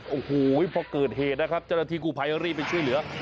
โอ้โหพอเกิดเหตุนะครับจรภีร์กูภายเรียนไปช่วยเหลือ